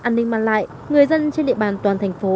an ninh mang lại người dân trên địa bàn toàn thành phố